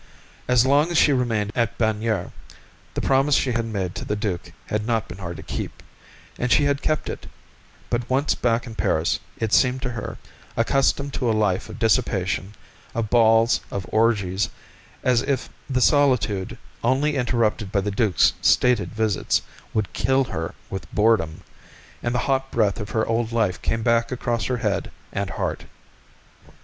As long as she remained at Bagnères, the promise she had made to the duke had not been hard to keep, and she had kept it; but, once back in Paris, it seemed to her, accustomed to a life of dissipation, of balls, of orgies, as if the solitude, only interrupted by the duke's stated visits, would kill her with boredom, and the hot breath of her old life came back across her head and heart.